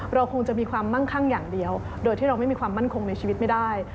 เราคงจะมีความมั่งคั่งอย่างเดียวโดยที่เราไม่มีความมั่นคงในชีวิตไม่ได้